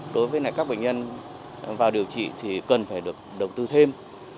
đối với các bệnh nhân vào điều trị thì cần phải được đầu tư thêm